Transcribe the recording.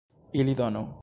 ili donu.